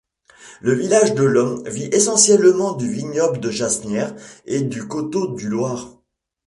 Le village de Lhomme vit essentiellement du vignoble de jasnières et du coteaux-du-loir.